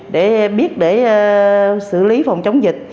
để biết để xử lý phòng chống dịch